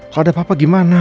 kalau ada papa gimana